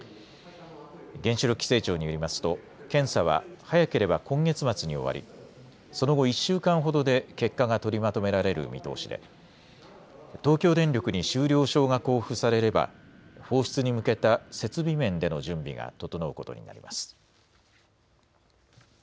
原子力規制庁によりますと検査は早ければ今月末に終わりその後１週間ほどで結果が取りまとめられる見通しで東京電力に終了証が交付されれば放出に向けた設備面での準備が整うことになります。